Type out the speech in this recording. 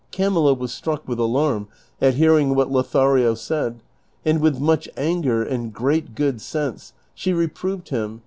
Camilla was struck with alarm at hearing what Lothario said, and with mucli anger, and ^reat good sense, she reproved him